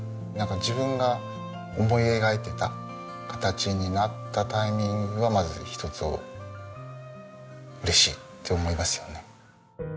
自分が思い描いてた形になったタイミングがまず一つ嬉しいって思いますよね。